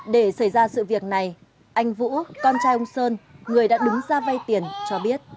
để xảy ra sự việc này anh vũ con trai ông sơn người đã đứng ra vay tiền cho biết